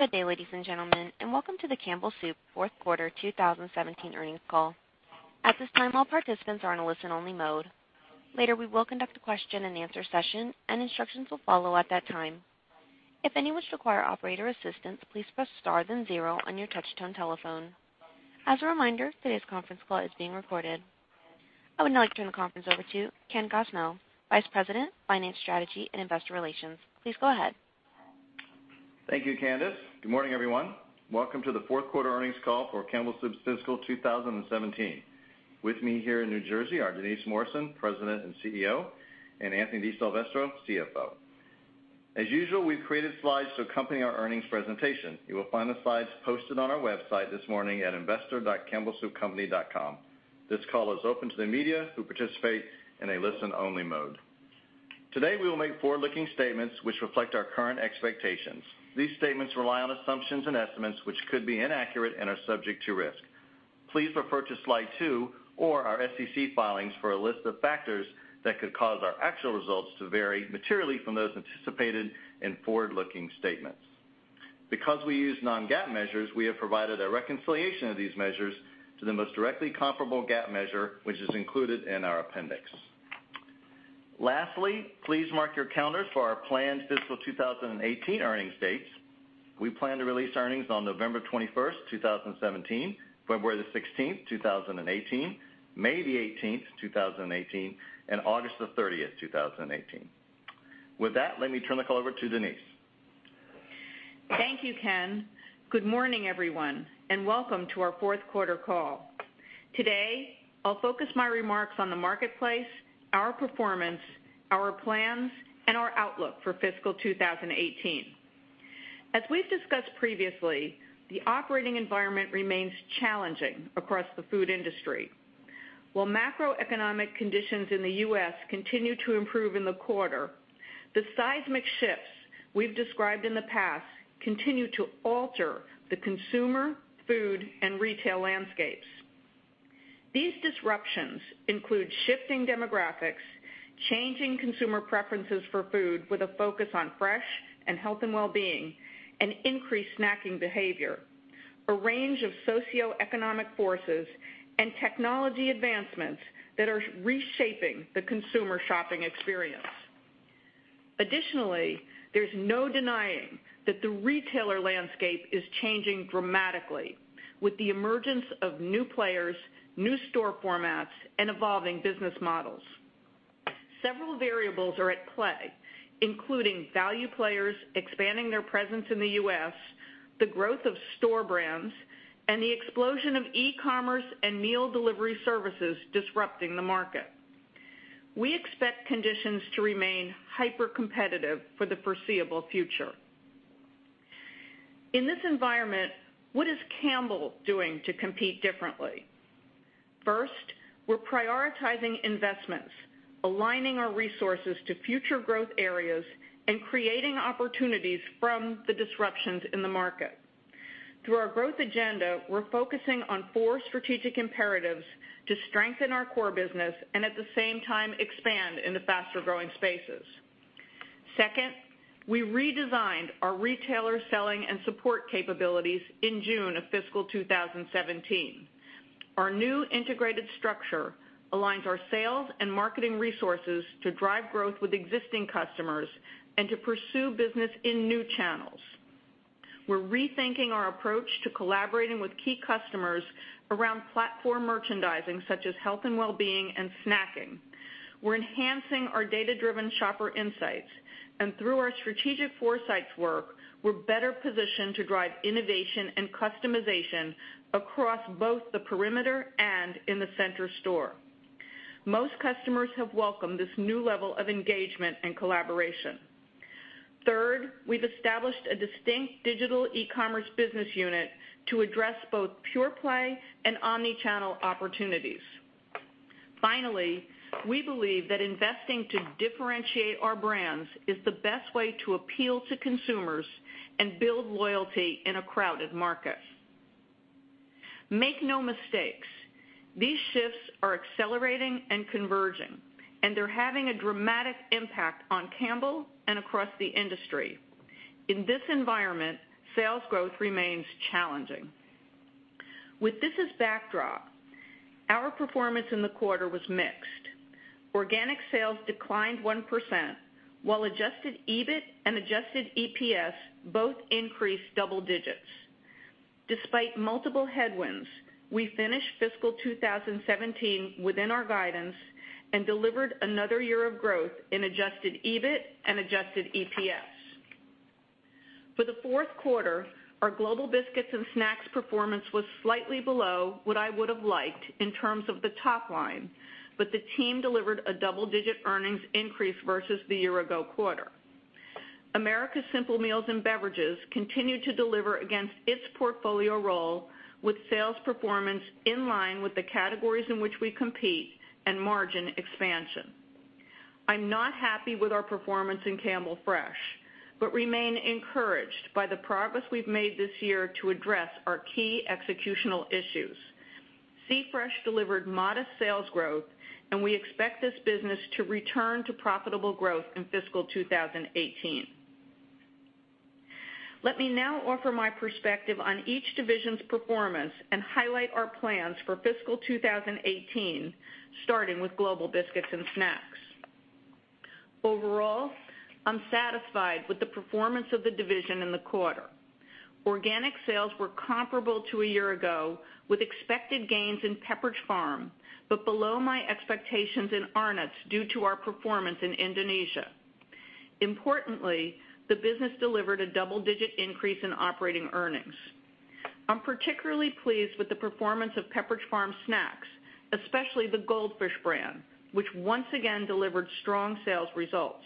Good day, ladies and gentlemen, and welcome to the Campbell Soup fourth quarter 2017 earnings call. At this time, all participants are in a listen-only mode. Later, we will conduct a question and answer session, and instructions will follow at that time. If any require operator assistance, please press star then zero on your touch-tone telephone. As a reminder, today's conference call is being recorded. I would now like to turn the conference over to Ken Gosnell, Vice President of Finance Strategy and Investor Relations. Please go ahead. Thank you, Candice. Good morning, everyone. Welcome to the fourth quarter earnings call for Campbell Soup's fiscal 2017. With me here in New Jersey are Denise Morrison, President and CEO, and Anthony DiSilvestro, CFO. As usual, we've created slides to accompany our earnings presentation. You will find the slides posted on our website this morning at investor.campbellsoupcompany.com. This call is open to the media, who participate in a listen-only mode. Today, we will make forward-looking statements which reflect our current expectations. These statements rely on assumptions and estimates which could be inaccurate and are subject to risk. Please refer to slide two or our SEC filings for a list of factors that could cause our actual results to vary materially from those anticipated in forward-looking statements. Because we use non-GAAP measures, we have provided a reconciliation of these measures to the most directly comparable GAAP measure, which is included in our appendix. Lastly, please mark your calendars for our planned fiscal 2018 earnings dates. We plan to release earnings on November 21st, 2017, February the 16th, 2018, May the 18th, 2018, and August the 30th, 2018. With that, let me turn the call over to Denise. Thank you, Ken. Good morning, everyone, and welcome to our fourth quarter call. Today, I'll focus my remarks on the marketplace, our performance, our plans, and our outlook for fiscal 2018. As we've discussed previously, the operating environment remains challenging across the food industry. While macroeconomic conditions in the U.S. continue to improve in the quarter, the seismic shifts we've described in the past continue to alter the consumer, food, and retail landscapes. These disruptions include shifting demographics, changing consumer preferences for food with a focus on fresh and health and wellbeing, and increased snacking behavior, a range of socioeconomic forces, and technology advancements that are reshaping the consumer shopping experience. Additionally, there's no denying that the retailer landscape is changing dramatically with the emergence of new players, new store formats, and evolving business models. Several variables are at play, including value players expanding their presence in the U.S., the growth of store brands, and the explosion of e-commerce and meal delivery services disrupting the market. We expect conditions to remain hyper-competitive for the foreseeable future. In this environment, what is Campbell doing to compete differently? First, we're prioritizing investments, aligning our resources to future growth areas, and creating opportunities from the disruptions in the market. Through our growth agenda, we're focusing on four strategic imperatives to strengthen our core business and at the same time expand in the faster-growing spaces. Second, we redesigned our retailer selling and support capabilities in June of fiscal 2017. Our new integrated structure aligns our sales and marketing resources to drive growth with existing customers and to pursue business in new channels. We're rethinking our approach to collaborating with key customers around platform merchandising such as health and wellbeing and snacking. We're enhancing our data-driven shopper insights. Through our strategic foresights work, we're better positioned to drive innovation and customization across both the perimeter and in the center store. Most customers have welcomed this new level of engagement and collaboration. Third, we've established a distinct digital e-commerce business unit to address both pure play and omni-channel opportunities. Finally, we believe that investing to differentiate our brands is the best way to appeal to consumers and build loyalty in a crowded market. Make no mistakes, these shifts are accelerating and converging. They're having a dramatic impact on Campbell and across the industry. In this environment, sales growth remains challenging. With this as backdrop, our performance in the quarter was mixed. Organic sales declined 1%, while adjusted EBIT and adjusted EPS both increased double digits. Despite multiple headwinds, we finished fiscal 2017 within our guidance and delivered another year of growth in adjusted EBIT and adjusted EPS. For the fourth quarter, our Global Biscuits and Snacks performance was slightly below what I would have liked in terms of the top line. The team delivered a double-digit earnings increase versus the year-ago quarter. Americas Simple Meals and Beverages continued to deliver against its portfolio role with sales performance in line with the categories in which we compete and margin expansion. I'm not happy with our performance in Campbell Fresh. Remain encouraged by the progress we've made this year to address our key executional issues. C-Fresh delivered modest sales growth. We expect this business to return to profitable growth in fiscal 2018. Let me now offer my perspective on each division's performance and highlight our plans for fiscal 2018, starting with Global Biscuits and Snacks. Overall, I'm satisfied with the performance of the division in the quarter. Organic sales were comparable to a year ago, with expected gains in Pepperidge Farm. Below my expectations in Arnott's due to our performance in Indonesia. Importantly, the business delivered a double-digit increase in operating earnings. I'm particularly pleased with the performance of Pepperidge Farm snacks, especially the Goldfish brand, which once again delivered strong sales results.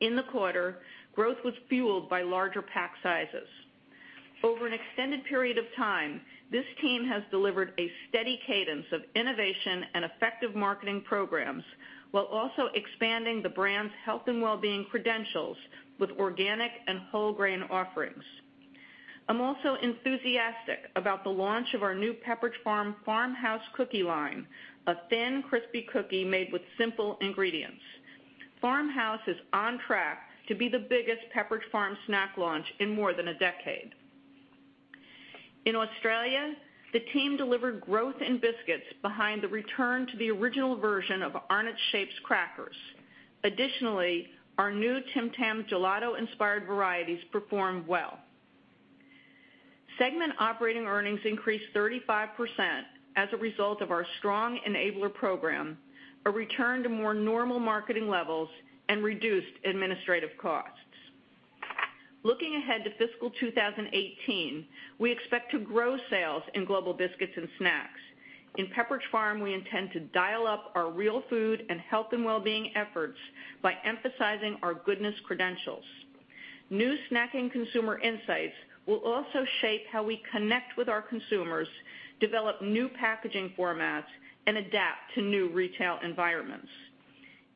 In the quarter, growth was fueled by larger pack sizes. Over an extended period of time, this team has delivered a steady cadence of innovation and effective marketing programs while also expanding the brand's health and wellbeing credentials with organic and whole grain offerings. I'm also enthusiastic about the launch of our new Pepperidge Farm Farmhouse cookie line, a thin, crispy cookie made with simple ingredients. Farmhouse is on track to be the biggest Pepperidge Farm snack launch in more than a decade. In Australia, the team delivered growth in biscuits behind the return to the original version of Arnott's Shapes crackers. Additionally, our new Tim Tam gelato-inspired varieties performed well. Segment operating earnings increased 35% as a result of our strong enabler program, a return to more normal marketing levels, and reduced administrative costs. Looking ahead to fiscal 2018, we expect to grow sales in Global Biscuits and Snacks. In Pepperidge Farm, we intend to dial up our real food and health and wellbeing efforts by emphasizing our goodness credentials. New snacking consumer insights will also shape how we connect with our consumers, develop new packaging formats, and adapt to new retail environments.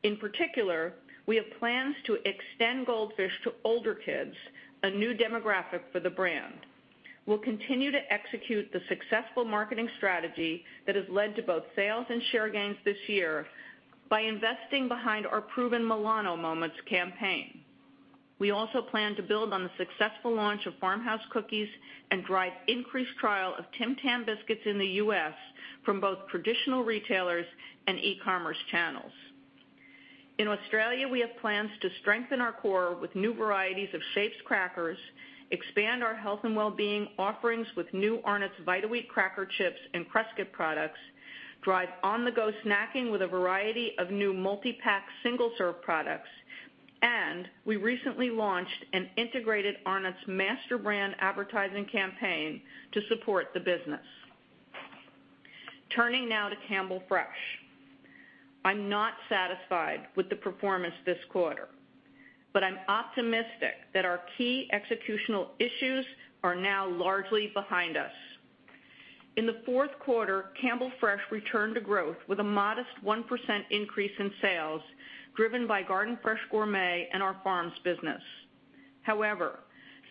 In particular, we have plans to extend Goldfish to older kids, a new demographic for the brand. We'll continue to execute the successful marketing strategy that has led to both sales and share gains this year by investing behind our proven Milano Moments campaign. We also plan to build on the successful launch of Farmhouse cookies and drive increased trial of Tim Tam biscuits in the U.S. from both traditional retailers and e-commerce channels. In Australia, we have plans to strengthen our core with new varieties of Shapes crackers, expand our health and wellbeing offerings with new Arnott's Vita-Weat cracker chips and Cruskits products, drive on-the-go snacking with a variety of new multi-pack, single-serve products. We recently launched an integrated Arnott's master brand advertising campaign to support the business. Turning now to Campbell Fresh. I'm not satisfied with the performance this quarter, but I'm optimistic that our key executional issues are now largely behind us. In the fourth quarter, Campbell Fresh returned to growth with a modest 1% increase in sales driven by Garden Fresh Gourmet and our farms business. However,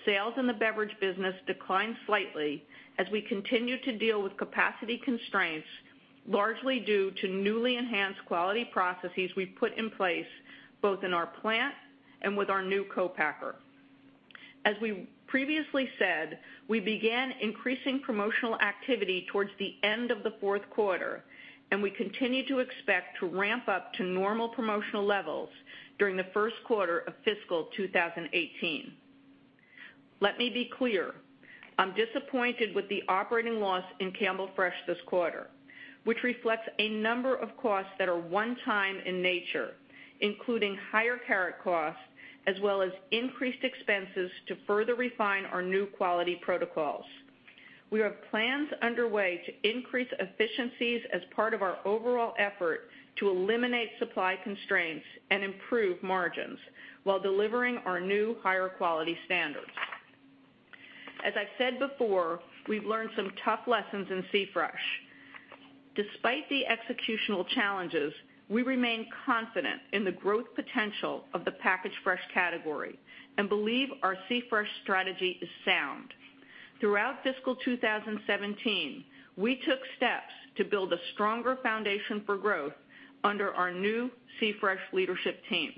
sales in the beverage business declined slightly as we continue to deal with capacity constraints, largely due to newly enhanced quality processes we've put in place both in our plant and with our new co-packer. As we previously said, we began increasing promotional activity towards the end of the fourth quarter, and we continue to expect to ramp up to normal promotional levels during the first quarter of fiscal 2018. Let me be clear, I'm disappointed with the operating loss in Campbell Fresh this quarter, which reflects a number of costs that are one-time in nature, including higher carrot costs as well as increased expenses to further refine our new quality protocols. We have plans underway to increase efficiencies as part of our overall effort to eliminate supply constraints and improve margins while delivering our new higher quality standards. As I've said before, we've learned some tough lessons in C-Fresh. Despite the executional challenges, we remain confident in the growth potential of the packaged fresh category and believe our C-Fresh strategy is sound. Throughout fiscal 2017, we took steps to build a stronger foundation for growth under our new C-Fresh leadership team.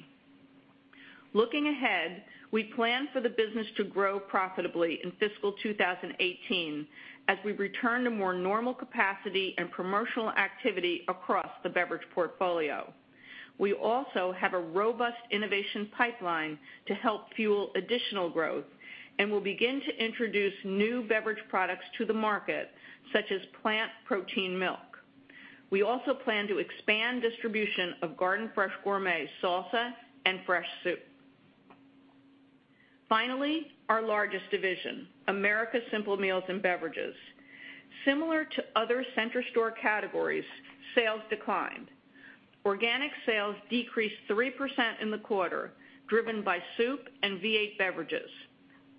Looking ahead, we plan for the business to grow profitably in fiscal 2018 as we return to more normal capacity and promotional activity across the beverage portfolio. We also have a robust innovation pipeline to help fuel additional growth, and we'll begin to introduce new beverage products to the market such as plant protein milk. We also plan to expand distribution of Garden Fresh Gourmet salsa and fresh soup. Finally, our largest division, Americas Simple Meals and Beverages. Similar to other center store categories, sales declined. Organic sales decreased 3% in the quarter, driven by soup and V8 beverages.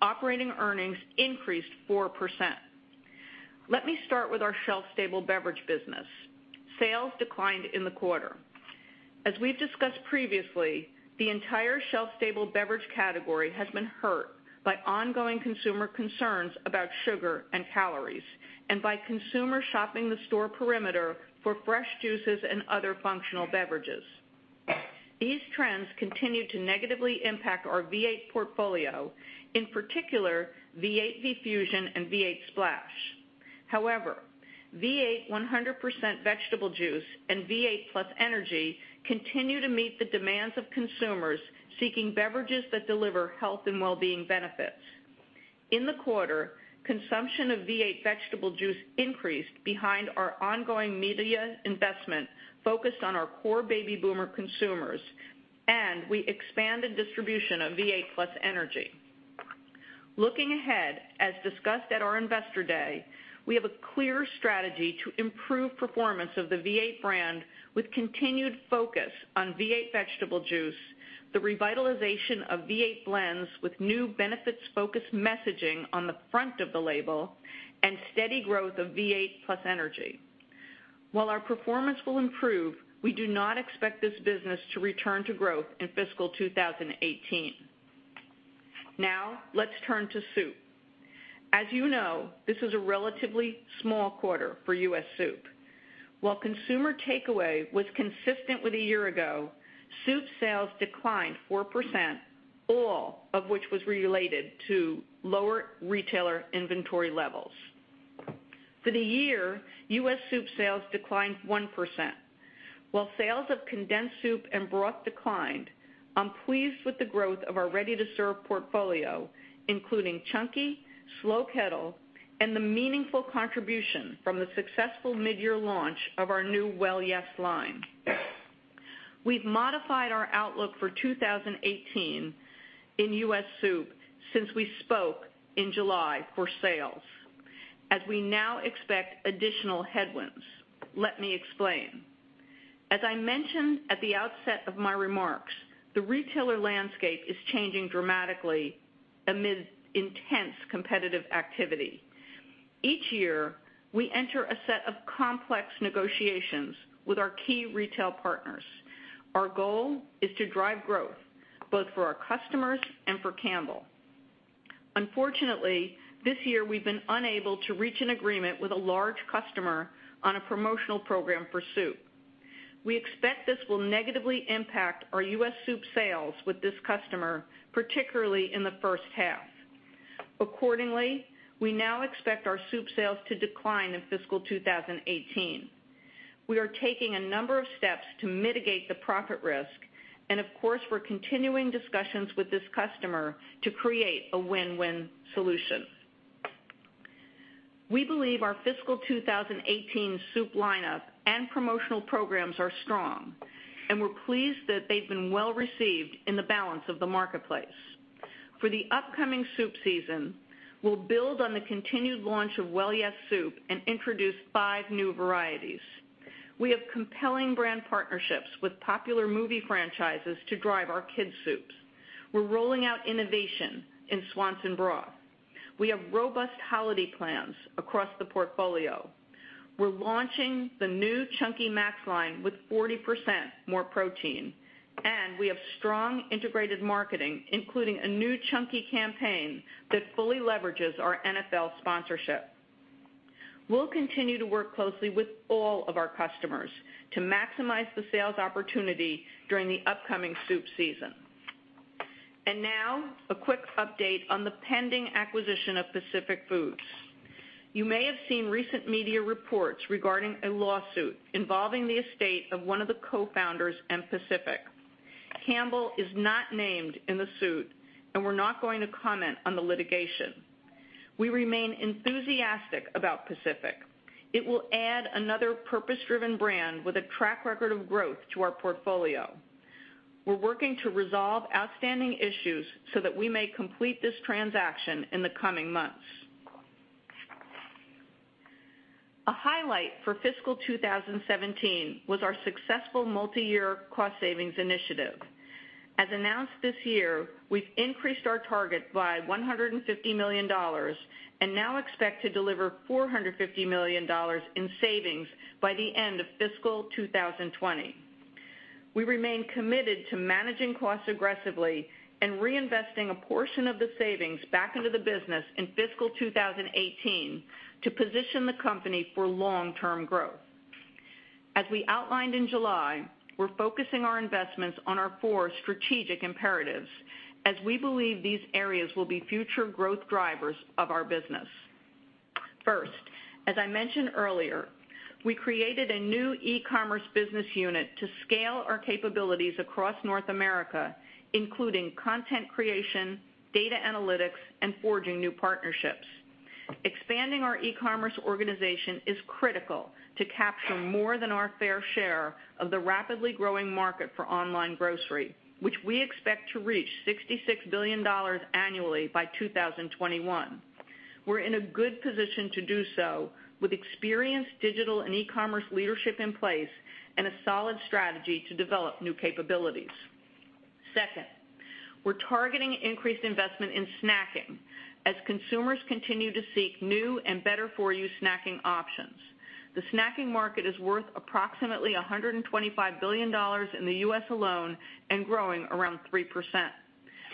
Operating earnings increased 4%. Let me start with our shelf-stable beverage business. Sales declined in the quarter. As we've discussed previously, the entire shelf-stable beverage category has been hurt by ongoing consumer concerns about sugar and calories, and by consumer shopping the store perimeter for fresh juices and other functional beverages. These trends continue to negatively impact our V8 portfolio, in particular, V8 V-Fusion and V8 Splash. However, V8 100% Vegetable Juice and V8 +Energy continue to meet the demands of consumers seeking beverages that deliver health and wellbeing benefits. In the quarter, consumption of V8 Vegetable Juice increased behind our ongoing media investment focused on our core baby boomer consumers, and we expanded distribution of V8 +Energy. Looking ahead, as discussed at our investor day, we have a clear strategy to improve performance of the V8 brand with continued focus on V8 Vegetable Juice, the revitalization of V8 blends with new benefits-focused messaging on the front of the label, and steady growth of V8 +Energy. While our performance will improve, we do not expect this business to return to growth in fiscal 2018. Now, let's turn to soup. As you know, this is a relatively small quarter for U.S. soup. While consumer takeaway was consistent with a year ago, soup sales declined 4%, all of which was related to lower retailer inventory levels. For the year, U.S. soup sales declined 1%. While sales of condensed soup and broth declined, I'm pleased with the growth of our ready-to-serve portfolio, including Chunky, Slow Kettle, and the meaningful contribution from the successful midyear launch of our new Well Yes! line. We've modified our outlook for 2018 in U.S. soup since we spoke in July for sales, as we now expect additional headwinds. Let me explain. As I mentioned at the outset of my remarks, the retailer landscape is changing dramatically amid intense competitive activity. Each year, we enter a set of complex negotiations with our key retail partners. Our goal is to drive growth both for our customers and for Campbell. Unfortunately, this year, we've been unable to reach an agreement with a large customer on a promotional program for soup. We expect this will negatively impact our U.S. soup sales with this customer, particularly in the first half. Accordingly, we now expect our soup sales to decline in fiscal 2018. We are taking a number of steps to mitigate the profit risk, and of course, we're continuing discussions with this customer to create a win-win solution. We believe our fiscal 2018 soup lineup and promotional programs are strong, and we're pleased that they've been well received in the balance of the marketplace. For the upcoming soup season, we'll build on the continued launch of Well Yes! soup and introduce five new varieties. We have compelling brand partnerships with popular movie franchises to drive our kids' soups. We're rolling out innovation in Swanson broth. We have robust holiday plans across the portfolio. We're launching the new Chunky MAX line with 40% more protein, and we have strong integrated marketing, including a new Chunky campaign that fully leverages our NFL sponsorship. We'll continue to work closely with all of our customers to maximize the sales opportunity during the upcoming soup season. Now, a quick update on the pending acquisition of Pacific Foods. You may have seen recent media reports regarding a lawsuit involving the estate of one of the co-founders and Pacific. Campbell is not named in the suit, and we're not going to comment on the litigation. We remain enthusiastic about Pacific. It will add another purpose-driven brand with a track record of growth to our portfolio. We're working to resolve outstanding issues so that we may complete this transaction in the coming months. A highlight for fiscal 2017 was our successful multi-year cost savings initiative. As announced this year, we've increased our target by $150 million and now expect to deliver $450 million in savings by the end of fiscal 2020. We remain committed to managing costs aggressively and reinvesting a portion of the savings back into the business in fiscal 2018 to position the company for long-term growth. As we outlined in July, we're focusing our investments on our four strategic imperatives, as we believe these areas will be future growth drivers of our business. First, as I mentioned earlier, we created a new e-commerce business unit to scale our capabilities across North America, including content creation, data analytics, and forging new partnerships. Expanding our e-commerce organization is critical to capture more than our fair share of the rapidly growing market for online grocery, which we expect to reach $66 billion annually by 2021. We're in a good position to do so with experienced digital and e-commerce leadership in place, and a solid strategy to develop new capabilities. Second, we're targeting increased investment in snacking as consumers continue to seek new and better-for-you snacking options. The snacking market is worth approximately $125 billion in the U.S. alone and growing around 3%.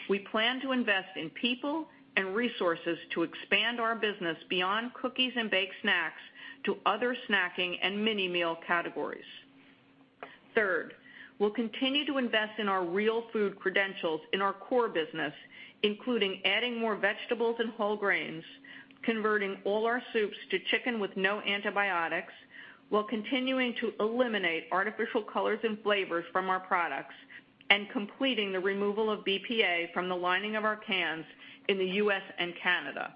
We plan to invest in people and resources to expand our business beyond cookies and baked snacks to other snacking and mini-meal categories. Third, we'll continue to invest in our real food credentials in our core business, including adding more vegetables and whole grains, converting all our soups to chicken with no antibiotics, while continuing to eliminate artificial colors and flavors from our products, and completing the removal of BPA from the lining of our cans in the U.S. and Canada.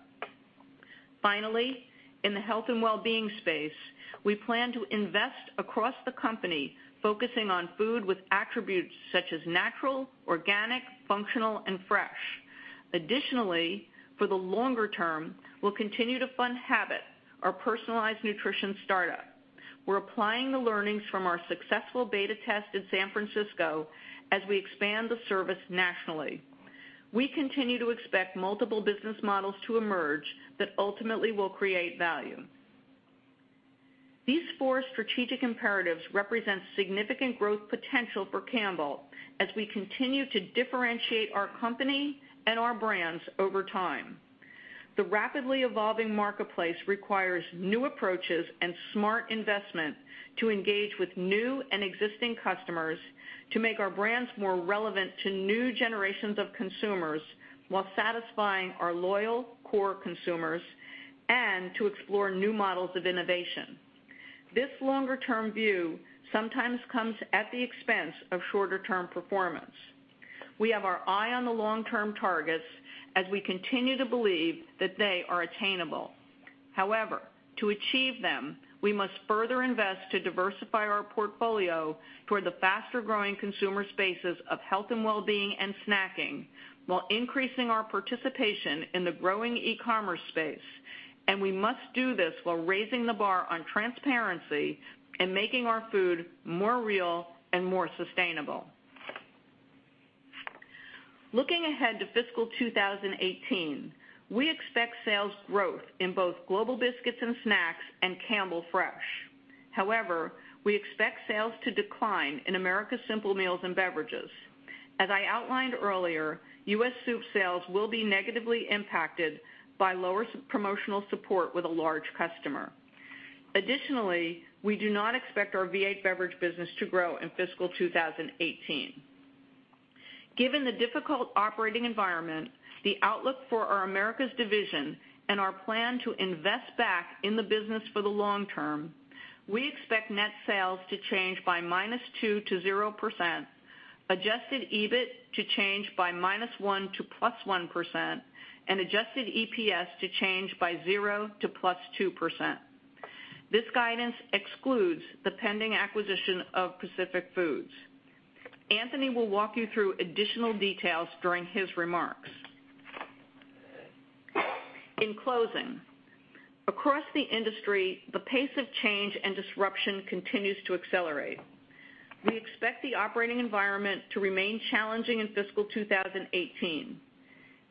Finally, in the health and wellbeing space, we plan to invest across the company, focusing on food with attributes such as natural, organic, functional, and fresh. Additionally, for the longer term, we'll continue to fund Habit, our personalized nutrition startup. We're applying the learnings from our successful beta test in San Francisco as we expand the service nationally. We continue to expect multiple business models to emerge that ultimately will create value. These four strategic imperatives represent significant growth potential for Campbell as we continue to differentiate our company and our brands over time. The rapidly evolving marketplace requires new approaches and smart investment to engage with new and existing customers, to make our brands more relevant to new generations of consumers, while satisfying our loyal core consumers, and to explore new models of innovation. This longer-term view sometimes comes at the expense of shorter-term performance. We have our eye on the long-term targets as we continue to believe that they are attainable. However, to achieve them, we must further invest to diversify our portfolio toward the faster-growing consumer spaces of health and wellbeing and snacking, while increasing our participation in the growing e-commerce space. We must do this while raising the bar on transparency and making our food more real and more sustainable. Looking ahead to fiscal 2018, we expect sales growth in both Global Biscuits and Snacks and Campbell Fresh. We expect sales to decline in Americas Simple Meals and Beverages. As I outlined earlier, U.S. soup sales will be negatively impacted by lower promotional support with a large customer. We do not expect our V8 beverage business to grow in fiscal 2018. Given the difficult operating environment, the outlook for our Americas division, and our plan to invest back in the business for the long term, we expect net sales to change by -2% to 0%, adjusted EBIT to change by -1% to +1%, and Adjusted EPS to change by 0% to +2%. This guidance excludes the pending acquisition of Pacific Foods. Anthony will walk you through additional details during his remarks. In closing, across the industry, the pace of change and disruption continues to accelerate. We expect the operating environment to remain challenging in fiscal 2018.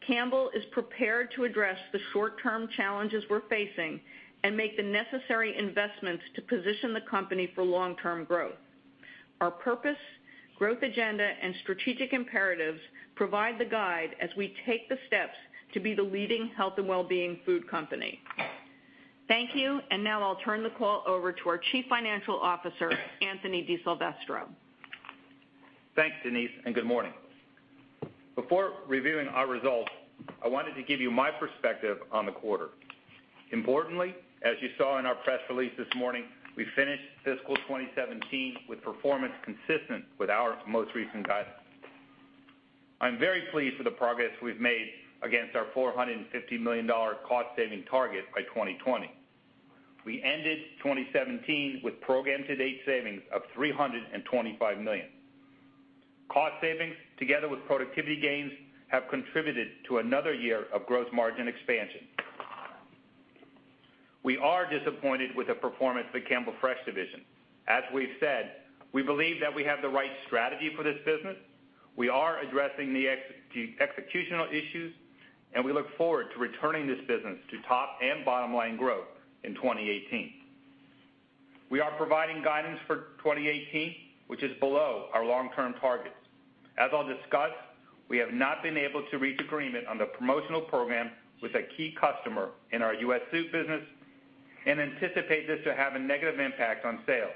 Campbell is prepared to address the short-term challenges we're facing and make the necessary investments to position the company for long-term growth. Our purpose, growth agenda, and strategic imperatives provide the guide as we take the steps to be the leading health and wellbeing food company. Thank you. Now I'll turn the call over to our Chief Financial Officer, Anthony DiSilvestro. Thanks, Denise, and good morning. Before reviewing our results, I wanted to give you my perspective on the quarter. Importantly, as you saw in our press release this morning, we finished fiscal 2017 with performance consistent with our most recent guidance. I'm very pleased with the progress we've made against our $450 million cost-saving target by 2020. We ended 2017 with program-to-date savings of $325 million. Cost savings, together with productivity gains, have contributed to another year of gross margin expansion. We are disappointed with the performance of the Campbell Fresh division. As we've said, we believe that we have the right strategy for this business. We are addressing the executional issues, and we look forward to returning this business to top and bottom-line growth in 2018. We are providing guidance for 2018, which is below our long-term targets. As I'll discuss, we have not been able to reach agreement on the promotional program with a key customer in our U.S. soup business and anticipate this to have a negative impact on sales.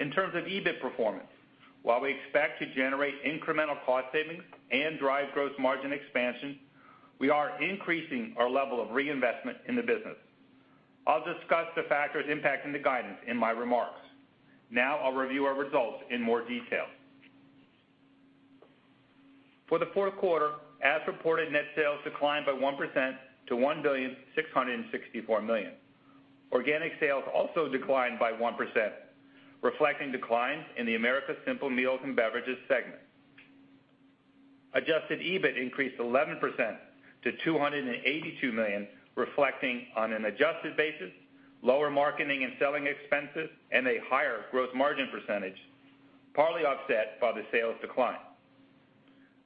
In terms of EBIT performance, while we expect to generate incremental cost savings and drive gross margin expansion, we are increasing our level of reinvestment in the business. I'll discuss the factors impacting the guidance in my remarks. Now I'll review our results in more detail. For the fourth quarter, as reported net sales declined by 1% to $1.664 billion. Organic sales also declined by 1%, reflecting declines in the Americas Simple Meals and Beverages segment. Adjusted EBIT increased 11% to $282 million, reflecting on an adjusted basis, lower marketing and selling expenses and a higher gross margin percentage, partly offset by the sales decline.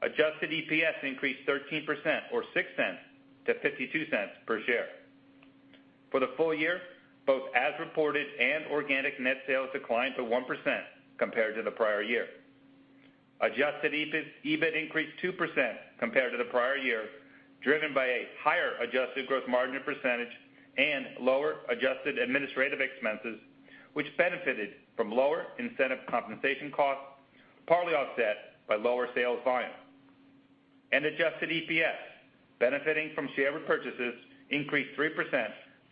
Adjusted EPS increased 13% or $0.06 to $0.52 per share. For the full year, both as reported and organic net sales declined 1% compared to the prior year. Adjusted EBIT increased 2% compared to the prior year, driven by a higher adjusted gross margin percentage and lower adjusted administrative expenses, which benefited from lower incentive compensation costs, partly offset by lower sales volume. Adjusted EPS, benefiting from share repurchases increased 3%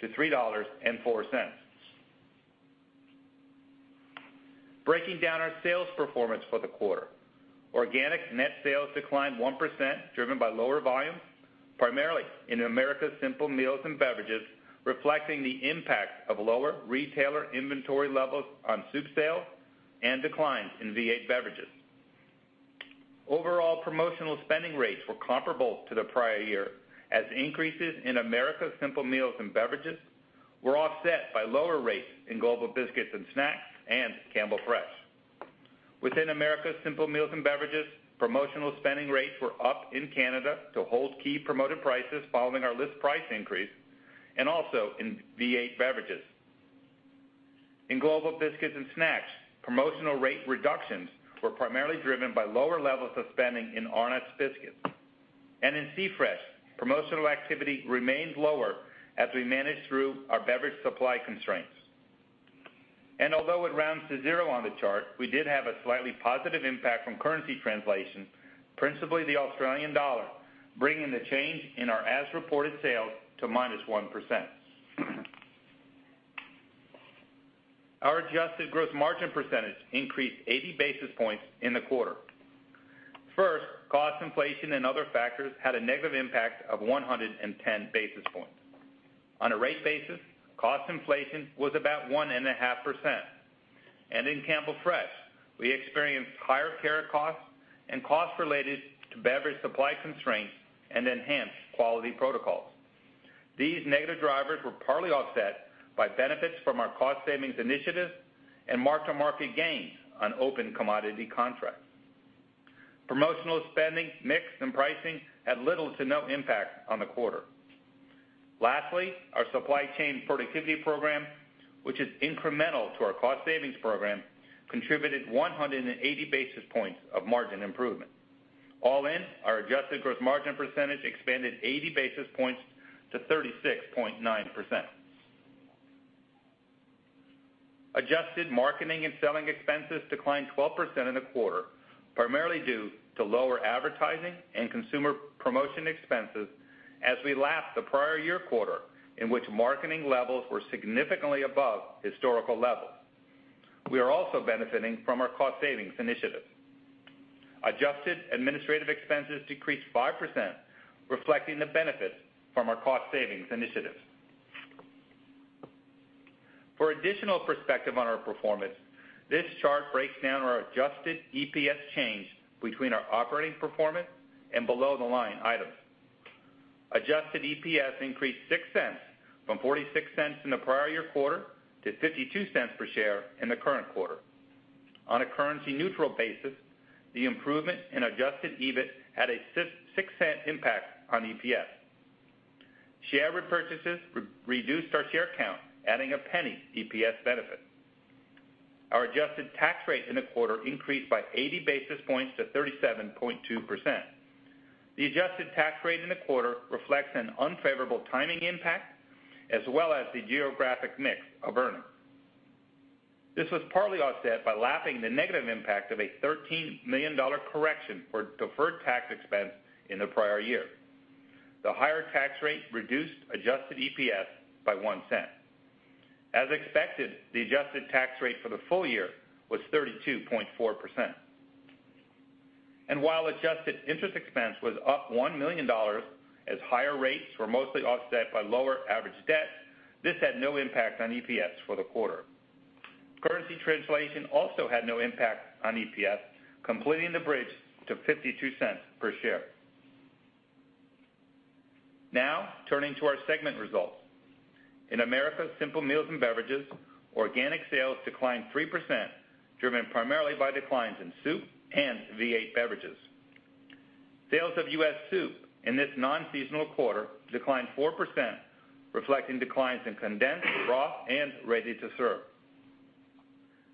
to $3.04. Breaking down our sales performance for the quarter. Organic net sales declined 1%, driven by lower volumes, primarily in Americas Simple Meals and Beverages, reflecting the impact of lower retailer inventory levels on soup sales and declines in V8 beverages. Overall promotional spending rates were comparable to the prior year, as increases in Americas Simple Meals and Beverages were offset by lower rates in Global Biscuits and Snacks and Campbell Fresh. Within Americas Simple Meals and Beverages, promotional spending rates were up in Canada to hold key promoted prices following our list price increase, and also in V8 beverages. In Global Biscuits and Snacks, promotional rate reductions were primarily driven by lower levels of spending in Arnott's Biscuits. In C-Fresh, promotional activity remained lower as we manage through our beverage supply constraints. Although it rounds to zero on the chart, we did have a slightly positive impact from currency translation, principally the Australian dollar, bringing the change in our as-reported sales to -1%. Our adjusted gross margin percentage increased 80 basis points in the quarter. First, cost inflation and other factors had a negative impact of 110 basis points. On a rate basis, cost inflation was about 1.5%. In Campbell Fresh, we experienced higher carrot costs and cost related to beverage supply constraints and enhanced quality protocols. These negative drivers were partly offset by benefits from our cost savings initiatives and mark-to-market gains on open commodity contracts. Promotional spending, mix, and pricing had little to no impact on the quarter. Lastly, our supply chain productivity program, which is incremental to our cost savings program, contributed 180 basis points of margin improvement. All in, our adjusted gross margin percentage expanded 80 basis points to 36.9%. Adjusted marketing and selling expenses declined 12% in the quarter, primarily due to lower advertising and consumer promotion expenses as we lapped the prior year quarter in which marketing levels were significantly above historical levels. We are also benefiting from our cost savings initiatives. Adjusted administrative expenses decreased 5%, reflecting the benefit from our cost savings initiatives. For additional perspective on our performance, this chart breaks down our adjusted EPS change between our operating performance and below-the-line items. Adjusted EPS increased $0.06 from $0.46 in the prior year quarter to $0.52 per share in the current quarter. On a currency-neutral basis, the improvement in adjusted EBIT had a $0.06 impact on EPS. Share repurchases reduced our share count, adding a $0.01 to EPS benefit. Our adjusted tax rate in the quarter increased by 80 basis points to 37.2%. The adjusted tax rate in the quarter reflects an unfavorable timing impact, as well as the geographic mix of earnings. This was partly offset by lapping the negative impact of a $13 million correction for deferred tax expense in the prior year. The higher tax rate reduced adjusted EPS by $0.01. As expected, the adjusted tax rate for the full year was 32.4%. While adjusted interest expense was up $1 million, as higher rates were mostly offset by lower average debt, this had no impact on EPS for the quarter. Currency translation also had no impact on EPS, completing the bridge to $0.52 per share. Now, turning to our segment results. In Americas Simple Meals and Beverages, organic sales declined 3%, driven primarily by declines in soup and V8 beverages. Sales of U.S. soup in this non-seasonal quarter declined 4%, reflecting declines in condensed, broth, and ready-to-serve.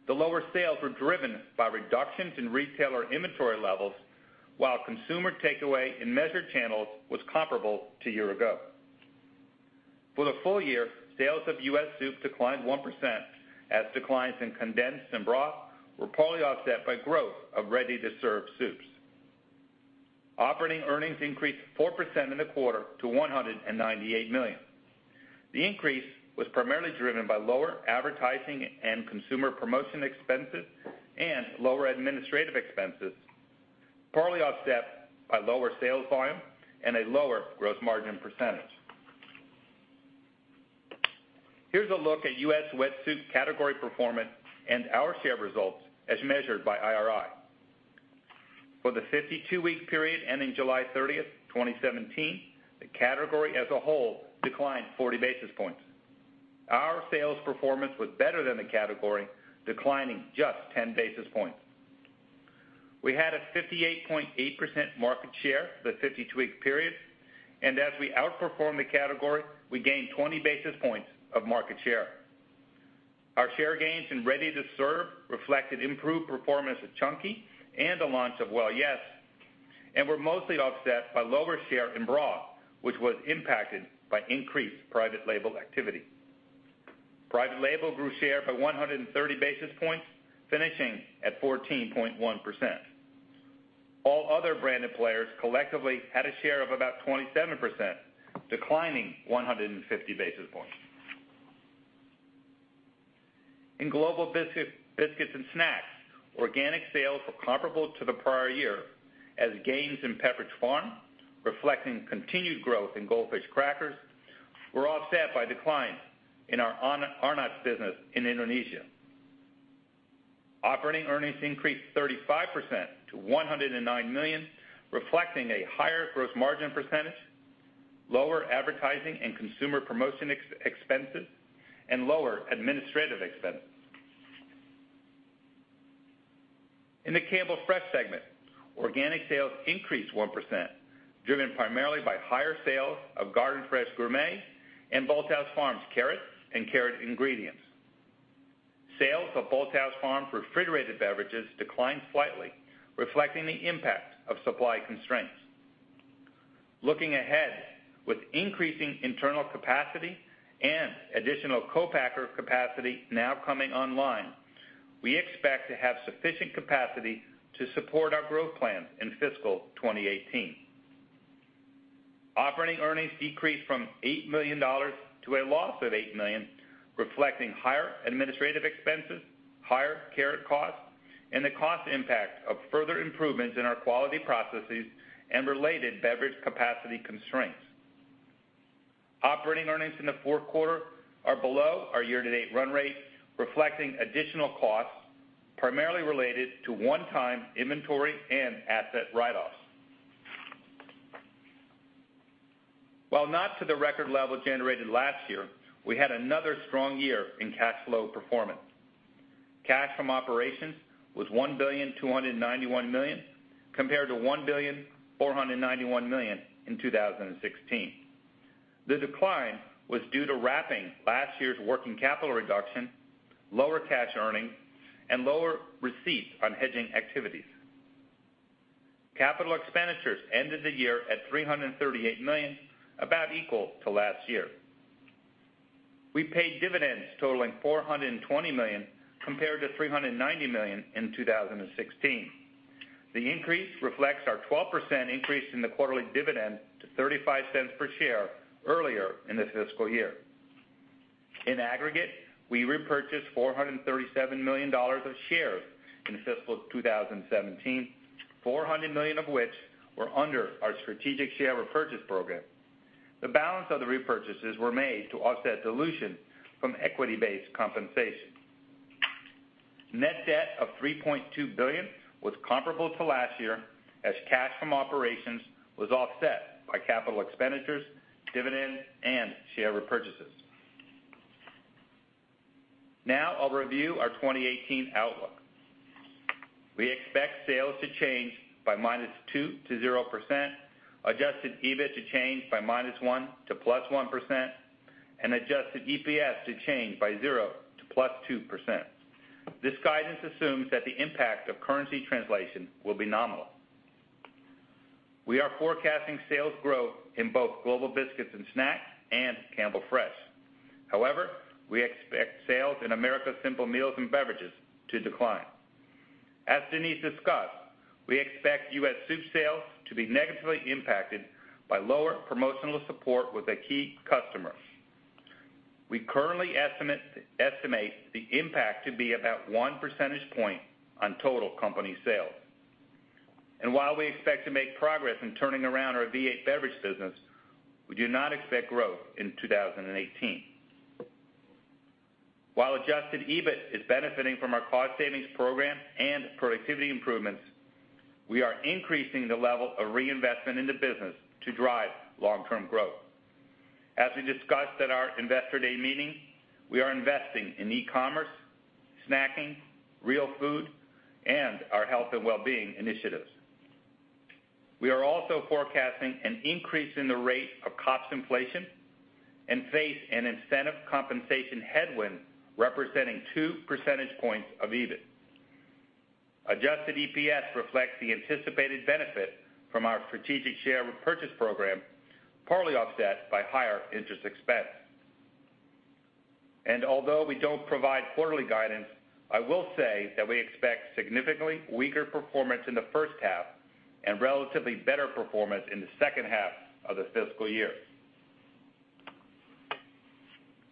The lower sales were driven by reductions in retailer inventory levels, while consumer takeaway in measured channels was comparable to year ago. For the full year, sales of U.S. soup declined 1%, as declines in condensed and broth were partly offset by growth of ready-to-serve soups. Operating earnings increased 4% in the quarter to $198 million. The increase was primarily driven by lower advertising and consumer promotion expenses and lower administrative expenses, partly offset by lower sales volume and a lower gross margin percentage. Here's a look at U.S. wet soup category performance and our share results as measured by IRI. For the 52-week period ending July 30, 2017, the category as a whole declined 40 basis points. Our sales performance was better than the category, declining just 10 basis points. We had a 58.8% market share for the 52-week period, and as we outperformed the category, we gained 20 basis points of market share. Our share gains in ready-to-serve reflected improved performance of Campbell's Chunky and the launch of Well Yes!, and were mostly offset by lower share in broth, which was impacted by increased private label activity. Private label grew share by 130 basis points, finishing at 14.1%. All other branded players collectively had a share of about 27%, declining 150 basis points. In Global Biscuits and Snacks, organic sales were comparable to the prior year as gains in Pepperidge Farm, reflecting continued growth in Goldfish crackers, were offset by declines in our Arnott's business in Indonesia. Operating earnings increased 35% to $109 million, reflecting a higher gross margin percentage, lower advertising and consumer promotion expenses, and lower administrative expenses. In the Campbell Fresh segment, organic sales increased 1%, driven primarily by higher sales of Garden Fresh Gourmet and Bolthouse Farms carrots and carrot ingredients. Sales of Bolthouse Farms refrigerated beverages declined slightly, reflecting the impact of supply constraints. Looking ahead, with increasing internal capacity and additional co-packer capacity now coming online, we expect to have sufficient capacity to support our growth plans in fiscal 2018. Operating earnings decreased from $8 million to a loss of $8 million, reflecting higher administrative expenses, higher carrot costs, and the cost impact of further improvements in our quality processes and related beverage capacity constraints. Operating earnings in the fourth quarter are below our year-to-date run rate, reflecting additional costs, primarily related to one-time inventory and asset write-offs. While not to the record level generated last year, we had another strong year in cash flow performance. Cash from operations was $1,291,000,000, compared to $1,491,000,000 in 2016. The decline was due to wrapping last year's working capital reduction, lower cash earnings, and lower receipts on hedging activities. Capital expenditures ended the year at $338 million, about equal to last year. We paid dividends totaling $420 million, compared to $390 million in 2016. The increase reflects our 12% increase in the quarterly dividend to $0.35 per share earlier in the fiscal year. In aggregate, we repurchased $437 million of shares in fiscal 2017, $400 million of which were under our strategic share repurchase program. The balance of the repurchases were made to offset dilution from equity-based compensation. Net debt of $3.2 billion was comparable to last year, as cash from operations was offset by capital expenditures, dividends, and share repurchases. Now I'll review our 2018 outlook. We expect sales to change by -2% to 0%, adjusted EBIT to change by -1% to +1%, and adjusted EPS to change by 0% to +2%. This guidance assumes that the impact of currency translation will be nominal. We are forecasting sales growth in both Global Biscuits and Snacks and Campbell Fresh. However, we expect sales in Americas Simple Meals and Beverages to decline. As Denise discussed, we expect U.S. soup sales to be negatively impacted by lower promotional support with a key customer. We currently estimate the impact to be about one percentage point on total company sales. While we expect to make progress in turning around our V8 beverage business, we do not expect growth in 2018. While adjusted EBIT is benefiting from our cost savings program and productivity improvements, we are increasing the level of reinvestment in the business to drive long-term growth. As we discussed at our investor day meeting, we are investing in e-commerce, snacking, real food, and our health and wellbeing initiatives. We are also forecasting an increase in the rate of COGS inflation and face an incentive compensation headwind representing two percentage points of EBIT. Adjusted EPS reflects the anticipated benefit from our strategic share repurchase program, partly offset by higher interest expense. Although we don't provide quarterly guidance, I will say that we expect significantly weaker performance in the first half and relatively better performance in the second half of the fiscal year.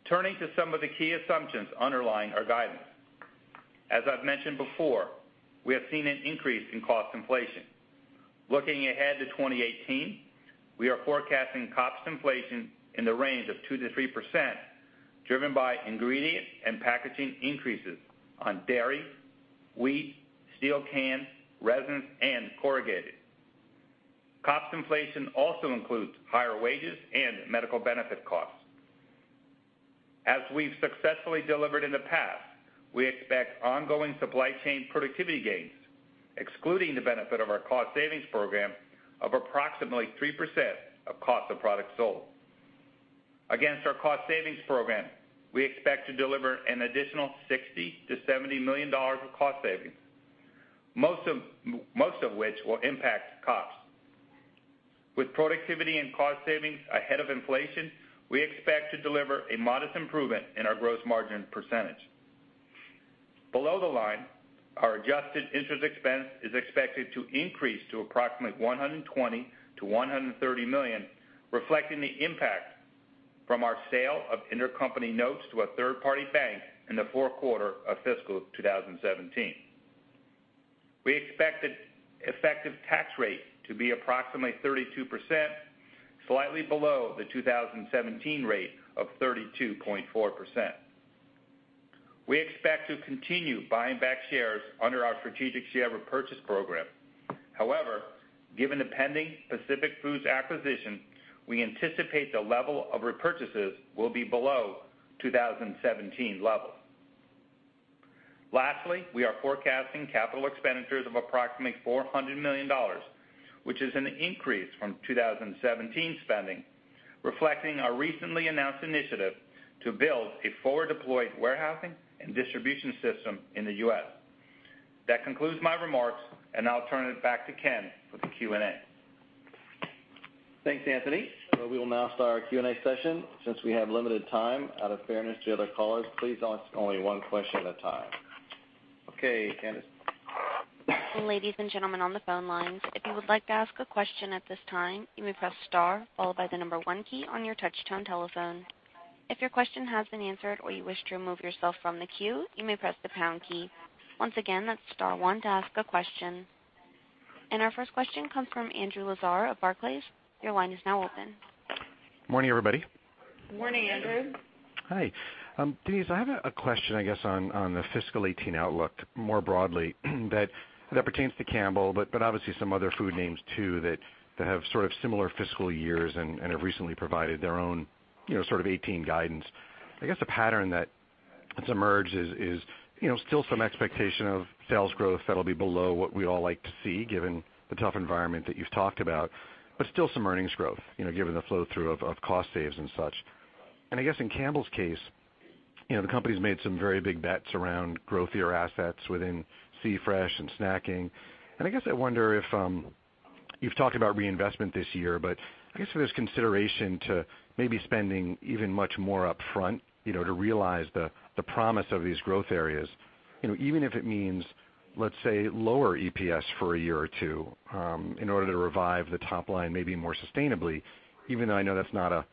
Turning to some of the key assumptions underlying our guidance. As I've mentioned before, we have seen an increase in cost inflation. Looking ahead to 2018, we are forecasting cost inflation in the range of 2% to 3%, driven by ingredient and packaging increases on dairy, wheat, steel cans, resin, and corrugated. Cost inflation also includes higher wages and medical benefit costs. As we've successfully delivered in the past, we expect ongoing supply chain productivity gains, excluding the benefit of our cost savings program, of approximately 3% of cost of product sold. Against our cost savings program, we expect to deliver an additional $60 million-$70 million of cost savings, most of which will impact costs. With productivity and cost savings ahead of inflation, we expect to deliver a modest improvement in our gross margin %. Below the line, our adjusted interest expense is expected to increase to approximately $120 million-$130 million, reflecting the impact from our sale of intercompany notes to a third-party bank in the fourth quarter of fiscal 2017. We expect the effective tax rate to be approximately 32%, slightly below the 2017 rate of 32.4%. We expect to continue buying back shares under our strategic share repurchase program. However, given the pending Pacific Foods acquisition, we anticipate the level of repurchases will be below 2017 levels. Lastly, we are forecasting capital expenditures of approximately $400 million, which is an increase from 2017 spending, reflecting our recently announced initiative to build a forward-deployed warehousing and distribution system in the U.S. That concludes my remarks, and I'll turn it back to Ken for the Q&A. Thanks, Anthony. We will now start our Q&A session. Since we have limited time, out of fairness to other callers, please ask only one question at a time. Okay, Candice. Ladies and gentlemen on the phone lines, if you would like to ask a question at this time, you may press star followed by the number one key on your touch-tone telephone. If your question has been answered or you wish to remove yourself from the queue, you may press the pound key. Once again, that's star one to ask a question. Our first question comes from Andrew Lazar of Barclays. Your line is now open. Morning, everybody. Morning, Andrew. Hi. Denise, I have a question, I guess, on the fiscal 2018 outlook more broadly that pertains to Campbell, but obviously some other food names too that have sort of similar fiscal years and have recently provided their own sort of 2018 guidance. I guess a pattern that's emerged is still some expectation of sales growth that'll be below what we all like to see, given the tough environment that you've talked about, but still some earnings growth, given the flow-through of cost saves and such. I guess in Campbell's case, the company's made some very big bets around growthier assets within C-Fresh and snacking. I guess I wonder if, you've talked about reinvestment this year, but I guess if there's consideration to maybe spending even much more upfront to realize the promise of these growth areas, even if it means, let's say, lower EPS for a year or two in order to revive the top line maybe more sustainably, even though I know that's not a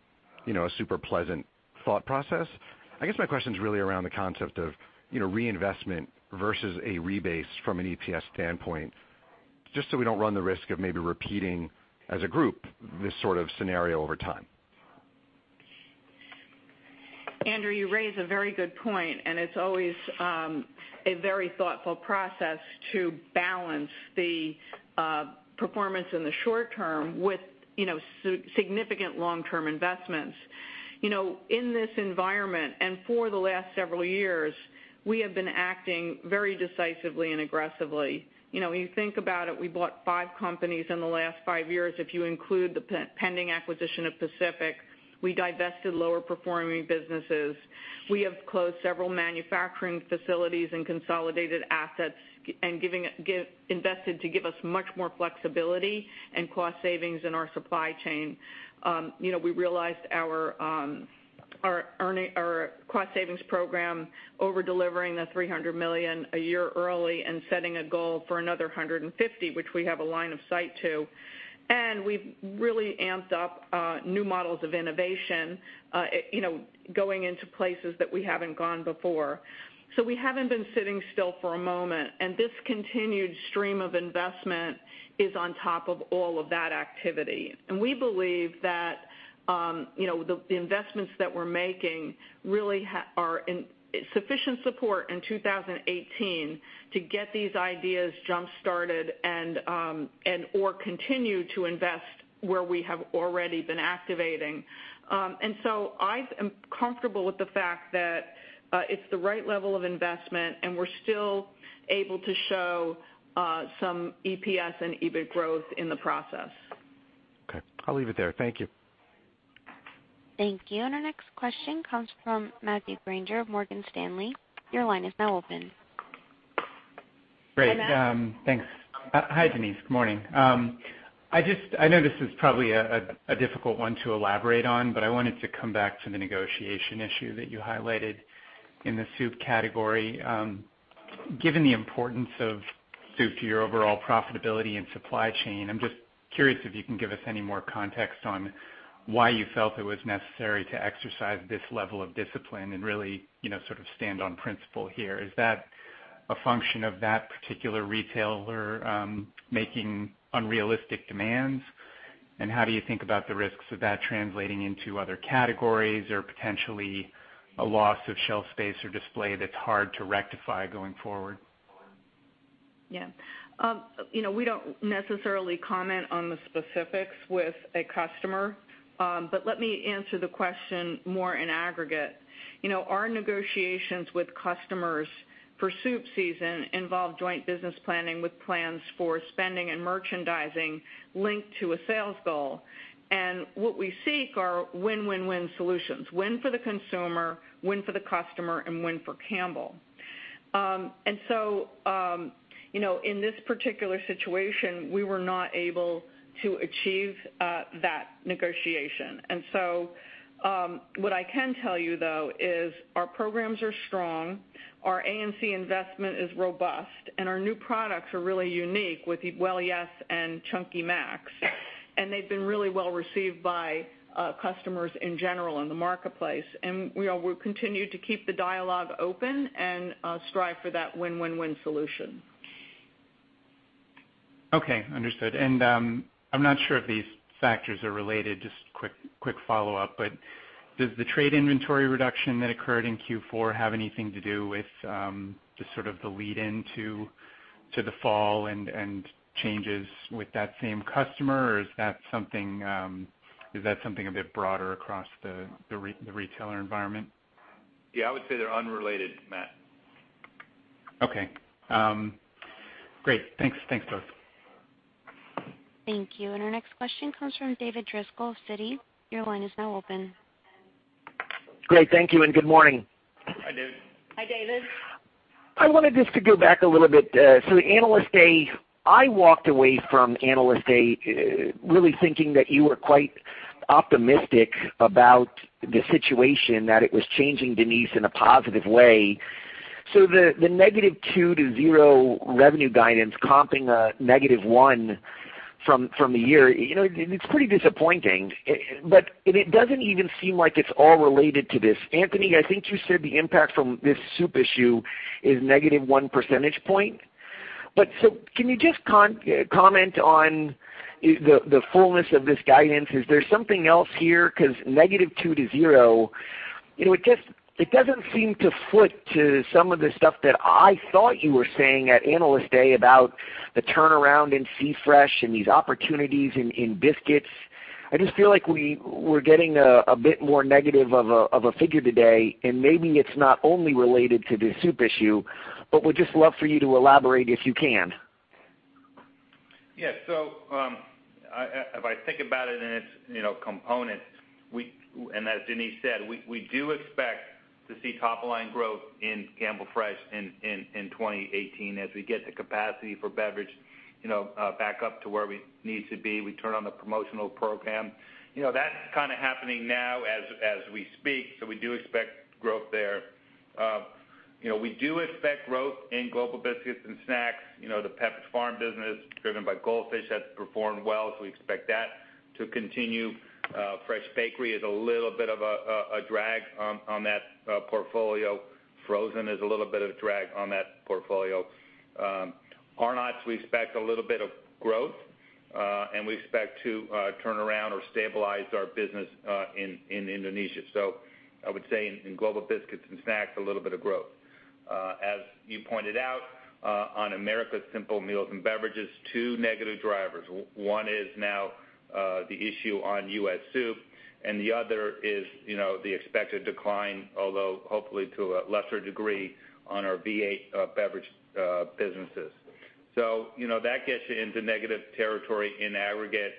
super pleasant thought process. I guess my question's really around the concept of reinvestment versus a rebase from an EPS standpoint, just so we don't run the risk of maybe repeating as a group this sort of scenario over time. Andrew, you raise a very good point, it's always a very thoughtful process to balance the performance in the short term with significant long-term investments. In this environment, for the last several years, we have been acting very decisively and aggressively. When you think about it, we bought 5 companies in the last 5 years, if you include the pending acquisition of Pacific. We divested lower performing businesses. We have closed several manufacturing facilities and consolidated assets and invested to give us much more flexibility and cost savings in our supply chain. We realized our cost savings program over-delivering the $300 million a year early and setting a goal for another $150, which we have a line of sight to. We've really amped up new models of innovation, going into places that we haven't gone before. We haven't been sitting still for a moment, this continued stream of investment is on top of all of that activity. We believe that the investments that we're making really are sufficient support in 2018 to get these ideas jump-started and/or continue to invest where we have already been activating. I am comfortable with the fact that it's the right level of investment and we're still able to show some EPS and EBIT growth in the process. Okay. I'll leave it there. Thank you. Thank you. Our next question comes from Matthew Grainger of Morgan Stanley. Your line is now open. Great. Hi, Matt. Thanks. Hi, Denise. Good morning. I know this is probably a difficult one to elaborate on. I wanted to come back to the negotiation issue that you highlighted in the soup category. Given the importance of soup to your overall profitability and supply chain. I'm just curious if you can give us any more context on why you felt it was necessary to exercise this level of discipline and really sort of stand on principle here. Is that a function of that particular retailer making unrealistic demands? How do you think about the risks of that translating into other categories or potentially a loss of shelf space or display that's hard to rectify going forward? Yeah. We don't necessarily comment on the specifics with a customer. Let me answer the question more in aggregate. Our negotiations with customers for soup season involve joint business planning with plans for spending and merchandising linked to a sales goal. What we seek are win-win-win solutions. Win for the consumer, win for the customer, and win for Campbell. In this particular situation, we were not able to achieve that negotiation. What I can tell you, though, is our programs are strong, our A&C investment is robust, and our new products are really unique with Well Yes! and Chunky MAX. They've been really well received by customers in general in the marketplace. We'll continue to keep the dialogue open and strive for that win-win-win solution. Okay, understood. I'm not sure if these factors are related, just quick follow-up. Does the trade inventory reduction that occurred in Q4 have anything to do with just sort of the lead into the fall and changes with that same customer, or is that something a bit broader across the retailer environment? Yeah, I would say they're unrelated, Matt. Okay. Great. Thanks. Thanks, both. Thank you. Our next question comes from David Driscoll, Citi. Your line is now open. Great. Thank you, good morning. Hi, David. Hi, David. I wanted just to go back a little bit. The Analyst Day, I walked away from Analyst Day really thinking that you were quite optimistic about the situation, that it was changing, Denise, in a positive way. The -2% to 0% revenue guidance comping a -1% from the year, it's pretty disappointing. It doesn't even seem like it's all related to this. Anthony, I think you said the impact from this soup issue is -1 percentage point. Can you just comment on the fullness of this guidance? Is there something else here, because -2% to 0%, it doesn't seem to foot to some of the stuff that I thought you were saying at Analyst Day about the turnaround in C-Fresh and these opportunities in biscuits. I just feel like we're getting a bit more negative of a figure today, and maybe it's not only related to the soup issue, but would just love for you to elaborate if you can. Yeah. If I think about it in its components, as Denise said, we do expect to see top-line growth in Campbell Fresh in 2018 as we get the capacity for beverage back up to where we need to be. We turn on the promotional program. That's kind of happening now as we speak, so we do expect growth there. We do expect growth in Global Biscuits and Snacks. The Pepperidge Farm business driven by Goldfish has performed well, so we expect that to continue. Fresh Bakery is a little bit of a drag on that portfolio. Frozen is a little bit of a drag on that portfolio. Arnott's, we expect a little bit of growth, and we expect to turn around or stabilize our business in Indonesia. I would say in Global Biscuits and Snacks, a little bit of growth. As you pointed out, on Americas Simple Meals and Beverages, two negative drivers. One is now the issue on U.S. soup, and the other is the expected decline, although hopefully to a lesser degree, on our V8 Beverage businesses. That gets you into negative territory in aggregate.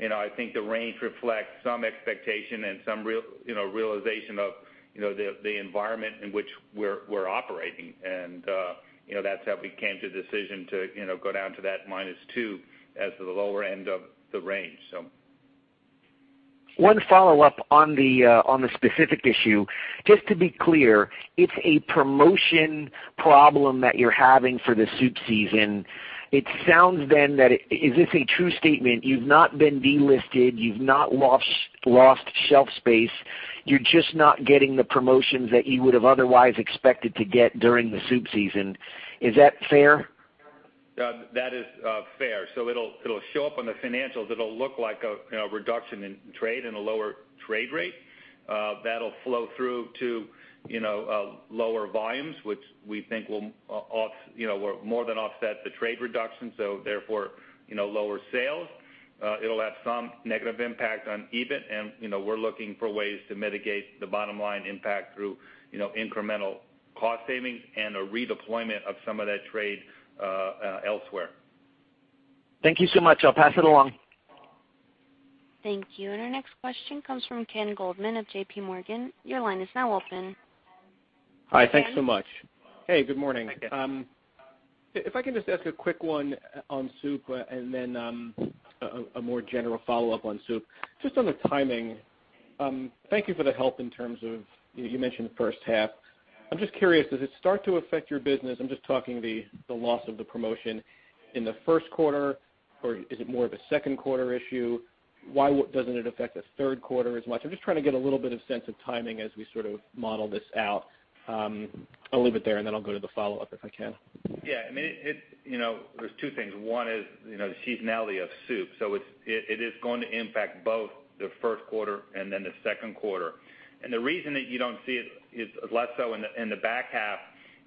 I think the range reflects some expectation and some realization of the environment in which we're operating. That's how we came to the decision to go down to that -2 as the lower end of the range. One follow-up on the specific issue. Just to be clear, it's a promotion problem that you're having for the soup season. It sounds then that, is this a true statement? You've not been delisted, you've not lost shelf space. You're just not getting the promotions that you would have otherwise expected to get during the soup season. Is that fair? That is fair. It'll show up on the financials. It'll look like a reduction in trade and a lower trade rate. That'll flow through to lower volumes, which we think will more than offset the trade reduction, so therefore, lower sales. It'll have some negative impact on EBIT and we're looking for ways to mitigate the bottom line impact through incremental cost savings and a redeployment of some of that trade elsewhere. Thank you so much. I'll pass it along. Thank you. Our next question comes from Ken Goldman of J.P. Morgan. Your line is now open. Hi, thanks so much. Hi, Ken. Hey, good morning. If I can just ask a quick one on soup and then a more general follow-up on soup. Just on the timing. Thank you for the help in terms of, you mentioned the first half. I'm just curious, does it start to affect your business, I'm just talking the loss of the promotion in the first quarter, or is it more of a second quarter issue? Why doesn't it affect the third quarter as much? I'm just trying to get a little bit of sense of timing as we sort of model this out. I'll leave it there and then I'll go to the follow-up, if I can. Yeah, there's two things. One is, the seasonality of soup. It is going to impact both the first quarter and then the second quarter. The reason that you don't see it, is less so in the back half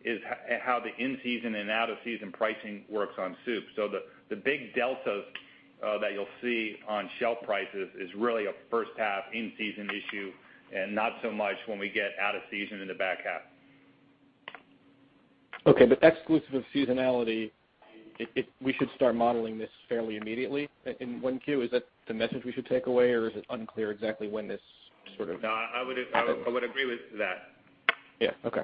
is how the in-season and out-of-season pricing works on soup. The big deltas that you'll see on shelf prices is really a first half in-season issue, and not so much when we get out of season in the back half. Okay, exclusive of seasonality, we should start modeling this fairly immediately in 1Q. Is that the message we should take away? No, I would agree with that. Yeah. Okay.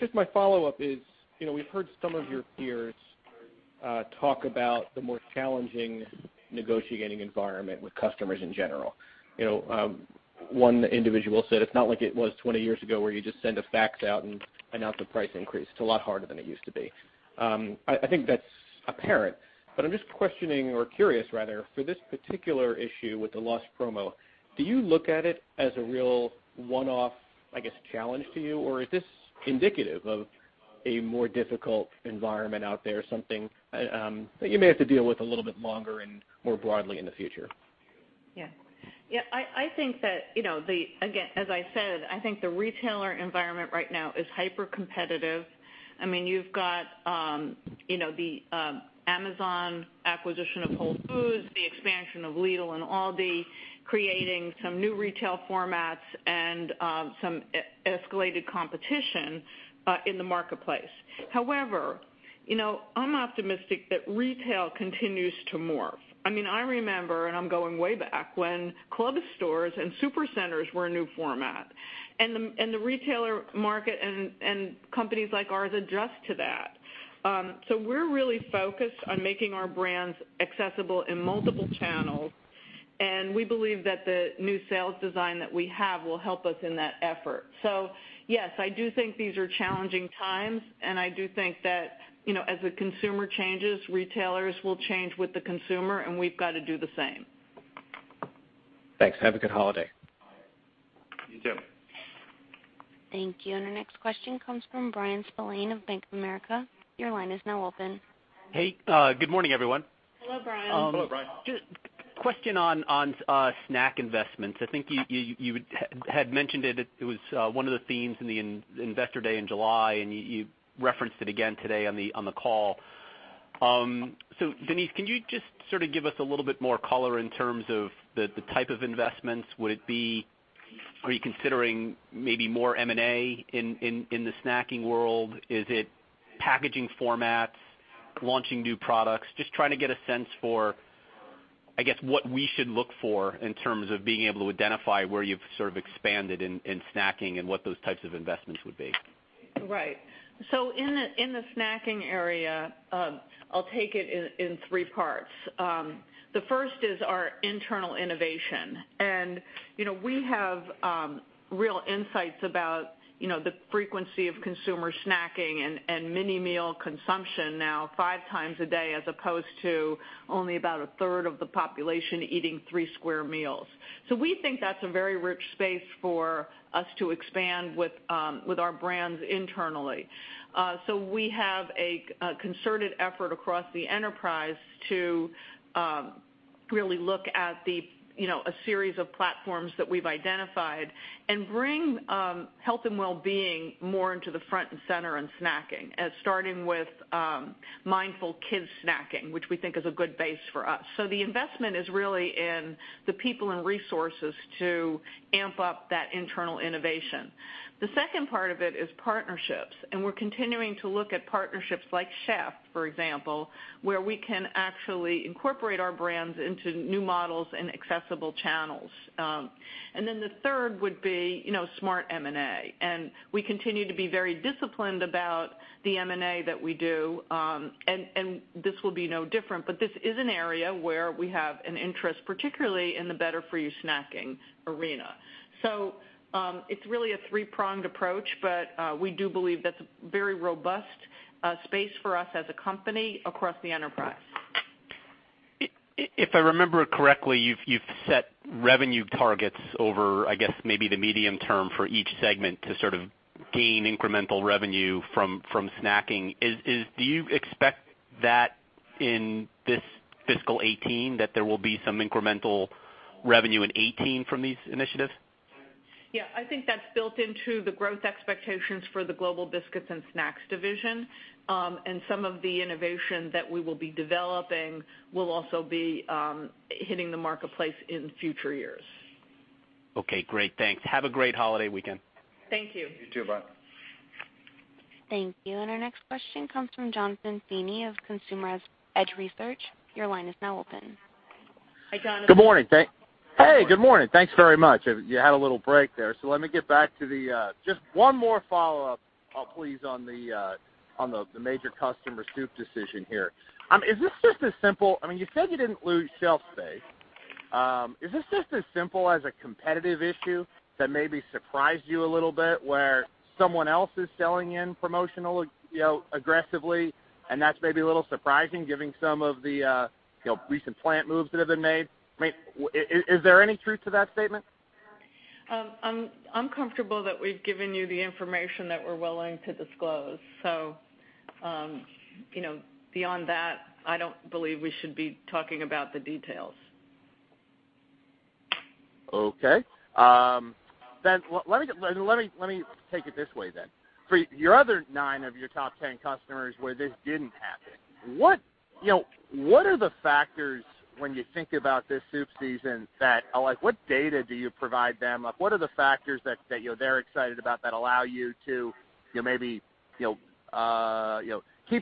Just my follow-up is, we've heard some of your peers talk about the more challenging negotiating environment with customers in general. One individual said it's not like it was 20 years ago where you just send a fax out and announce a price increase. It's a lot harder than it used to be. I think that's apparent, but I'm just questioning or curious rather, for this particular issue with the lost promo, do you look at it as a real one-off, I guess, challenge to you? Or is this indicative of a more difficult environment out there? Something that you may have to deal with a little bit longer and more broadly in the future? Yeah. I think that, again, as I said, I think the retailer environment right now is hypercompetitive. You've got the Amazon acquisition of Whole Foods, the expansion of Lidl and Aldi, creating some new retail formats and some escalated competition in the marketplace. However, I'm optimistic that retail continues to morph. I remember, I'm going way back, when club stores and super centers were a new format. The retailer market and companies like ours adjust to that. We're really focused on making our brands accessible in multiple channels, and we believe that the new sales design that we have will help us in that effort. Yes, I do think these are challenging times, I do think that as the consumer changes, retailers will change with the consumer, and we've got to do the same. Thanks. Have a good holiday. You too. Thank you. Our next question comes from Bryan Spillane of Bank of America. Your line is now open. Hey, good morning, everyone. Hello, Bryan. Hello, Bryan. Just question on snack investments. I think you had mentioned it was one of the themes in the investor day in July, and you referenced it again today on the call. Denise, can you just sort of give us a little bit more color in terms of the type of investments? Are you considering maybe more M&A in the snacking world? Is it packaging formats, launching new products? Just trying to get a sense for, I guess, what we should look for in terms of being able to identify where you've sort of expanded in snacking and what those types of investments would be. Right. In the snacking area, I'll take it in three parts. The first is our internal innovation. We have real insights about the frequency of consumer snacking and mini meal consumption now five times a day, as opposed to only about a third of the population eating three square meals. We think that's a very rich space for us to expand with our brands internally. We have a concerted effort across the enterprise to really look at a series of platforms that we've identified and bring health and wellbeing more into the front and center in snacking, starting with mindful kids snacking, which we think is a good base for us. The investment is really in the people and resources to amp up that internal innovation. The second part of it is partnerships, and we're continuing to look at partnerships like Chef'd, for example, where we can actually incorporate our brands into new models and accessible channels. The third would be smart M&A. We continue to be very disciplined about the M&A that we do. This will be no different, but this is an area where we have an interest, particularly in the better-for-you snacking arena. It's really a three-pronged approach, but we do believe that's a very robust space for us as a company across the enterprise. If I remember correctly, you've set revenue targets over, I guess, maybe the medium term for each segment to sort of gain incremental revenue from snacking. Do you expect that in this fiscal 2018, that there will be some incremental revenue in 2018 from these initiatives? Yeah, I think that's built into the growth expectations for the Global Biscuits and Snacks division. Some of the innovation that we will be developing will also be hitting the marketplace in future years. Okay, great. Thanks. Have a great holiday weekend. Thank you. You too, Bryan. Thank you. Our next question comes from Jonathan Feeney of Consumer Edge Research. Your line is now open. Hi, Jonathan. Good morning, hey, good morning. Thanks very much. You had a little break there. Let me get back to just one more follow-up, please, on the major customer soup decision here. Is this just a simple, you said you didn't lose shelf space Is this just as simple as a competitive issue that maybe surprised you a little bit, where someone else is selling in promotional aggressively, and that's maybe a little surprising given some of the recent plant moves that have been made? Is there any truth to that statement? I'm comfortable that we've given you the information that we're willing to disclose. Beyond that, I don't believe we should be talking about the details. Okay. Let me take it this way then. For your other nine of your top 10 customers where this didn't happen, what are the factors when you think about this soup season that, like, what data do you provide them? What are the factors that they're excited about that allow you to maybe keep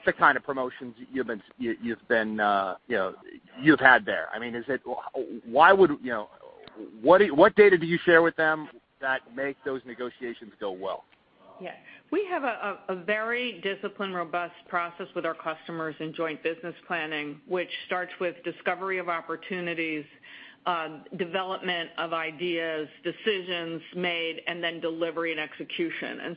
the kind of promotions you've had there? What data do you share with them that make those negotiations go well? Yeah. We have a very disciplined, robust process with our customers in joint business planning, which starts with discovery of opportunities, development of ideas, decisions made, and then delivery and execution.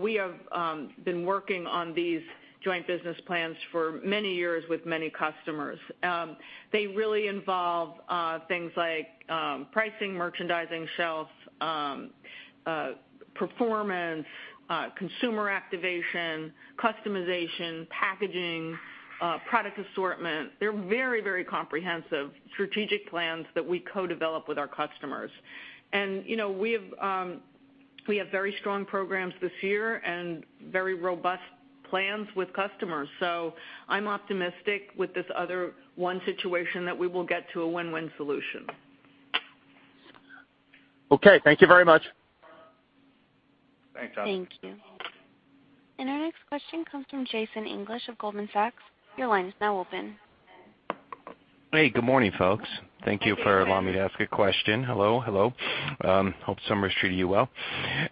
We have been working on these joint business plans for many years with many customers. They really involve things like pricing, merchandising, shelf, performance, consumer activation, customization, packaging, product assortment. They're very comprehensive strategic plans that we co-develop with our customers. We have very strong programs this year and very robust plans with customers. I'm optimistic with this other one situation that we will get to a win-win solution. Okay, thank you very much. Thanks, Jon. Thank you. Our next question comes from Jason English of Goldman Sachs. Your line is now open. Hey, good morning, folks. Thank you for allowing me to ask a question. Hello. Hope summer's treating you well.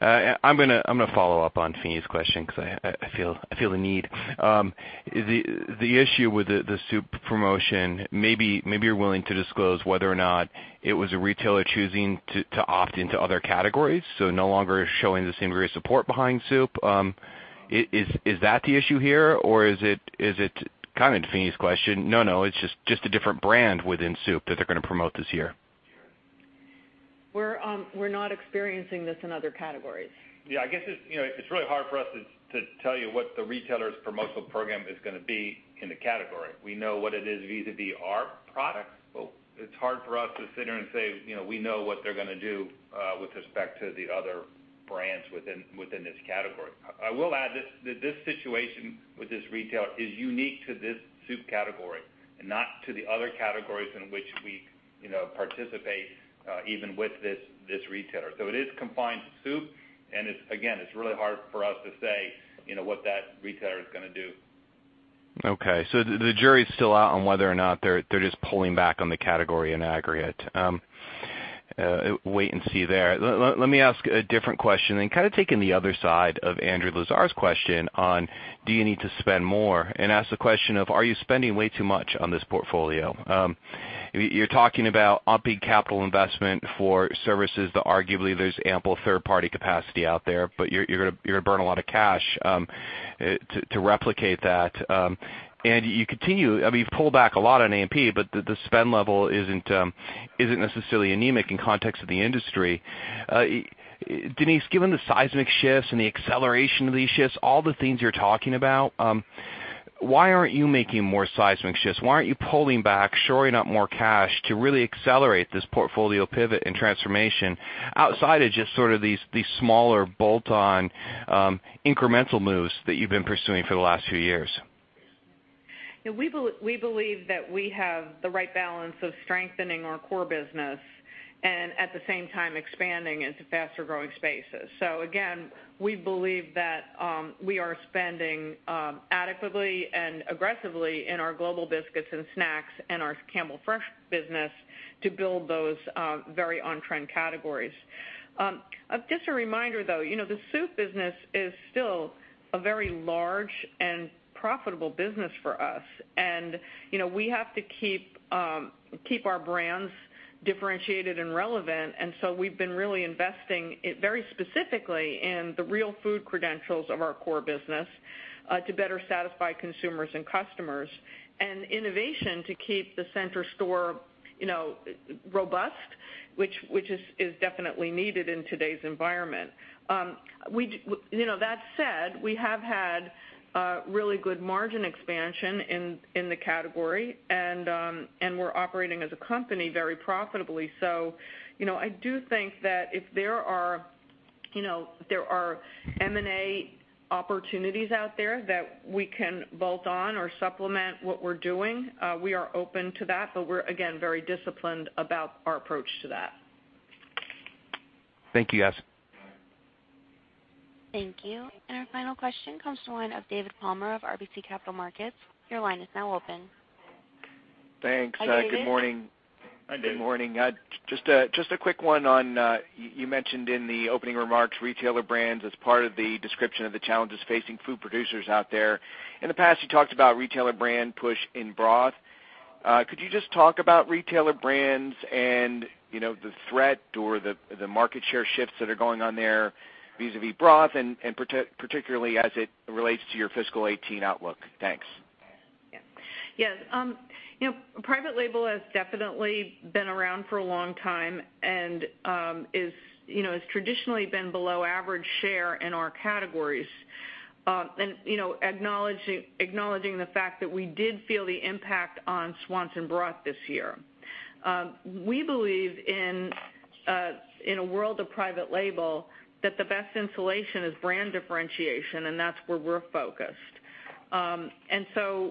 I'm gonna follow up on Feeney's question because I feel the need. The issue with the soup promotion, maybe you're willing to disclose whether or not it was a retailer choosing to opt into other categories, so no longer showing the same degree of support behind soup. Is that the issue here, or is it, kind of to Feeney's question, no, it's just a different brand within soup that they're going to promote this year? We're not experiencing this in other categories. Yeah, I guess it's really hard for us to tell you what the retailer's promotional program is gonna be in the category. We know what it is vis-a-vis our products, but it's hard for us to sit here and say we know what they're gonna do with respect to the other brands within this category. I will add that this situation with this retailer is unique to this soup category and not to the other categories in which we participate, even with this retailer. It is confined to soup, and again, it's really hard for us to say what that retailer is gonna do. Okay. The jury's still out on whether or not they're just pulling back on the category in aggregate. Wait and see there. Let me ask a different question, and kind of taking the other side of Andrew Lazar's question on do you need to spend more, and ask the question of, are you spending way too much on this portfolio? You're talking about upping capital investment for services that arguably there's ample third-party capacity out there, but you're gonna burn a lot of cash to replicate that. You continue, you've pulled back a lot on A&P, but the spend level isn't necessarily anemic in context of the industry. Denise, given the seismic shifts and the acceleration of these shifts, all the things you're talking about, why aren't you making more seismic shifts? Why aren't you pulling back, shoring up more cash to really accelerate this portfolio pivot and transformation outside of just sort of these smaller bolt-on incremental moves that you've been pursuing for the last few years? We believe that we have the right balance of strengthening our core business and at the same time expanding into faster-growing spaces. Again, we believe that we are spending adequately and aggressively in our Global Biscuits and Snacks and our Campbell Fresh business to build those very on-trend categories. Just a reminder, though, the soup business is still a very large and profitable business for us. We have to keep our brands differentiated and relevant, so we've been really investing very specifically in the real food credentials of our core business to better satisfy consumers and customers, and innovation to keep the center store robust, which is definitely needed in today's environment. That said, we have had really good margin expansion in the category, and we're operating as a company very profitably. I do think that if there are M&A opportunities out there that we can bolt on or supplement what we're doing, we are open to that, we're, again, very disciplined about our approach to that. Thank you, guys. Thank you. Our final question comes to the line of David Palmer of RBC Capital Markets. Your line is now open. Thanks. Hi, David. Good morning. Hi, David. Good morning. Just a quick one on, you mentioned in the opening remarks retailer brands as part of the description of the challenges facing food producers out there. In the past, you talked about retailer brand push in broth. Could you just talk about retailer brands and the threat or the market share shifts that are going on there vis-a-vis broth and particularly as it relates to your fiscal 2018 outlook? Thanks. Yes. Private label has definitely been around for a long time and has traditionally been below average share in our categories. Acknowledging the fact that we did feel the impact on Swanson broth this year. We believe in a world of private label, that the best insulation is brand differentiation, and that's where we're focused. The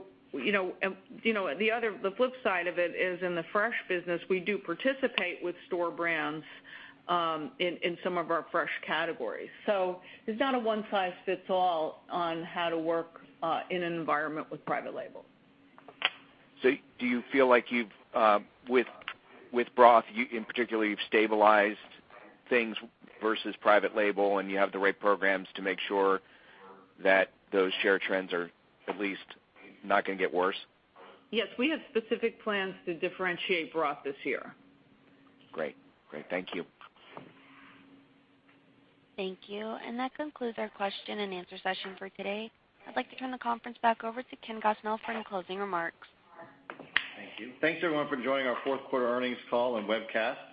flip side of it is in the fresh business, we do participate with store brands in some of our fresh categories. It's not a one size fits all on how to work in an environment with private label. Do you feel like you've, with broth in particular, you've stabilized things versus private label and you have the right programs to make sure that those share trends are at least not gonna get worse? Yes. We have specific plans to differentiate broth this year. Great. Thank you. Thank you. That concludes our question and answer session for today. I'd like to turn the conference back over to Ken Gosnell for any closing remarks. Thank you. Thanks, everyone, for joining our fourth quarter earnings call and webcast.